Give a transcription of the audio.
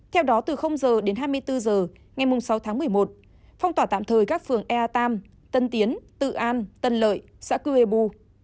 theo đó từ h đến hai mươi bốn h ngày sáu tháng một mươi một phong tỏa tạm thời các phường ea tam tân tiến tự an tân lợi xã cư e bu